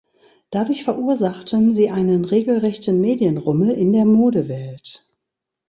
Dadurch verursachten sie einen regelrechten Medienrummel in der Modewelt.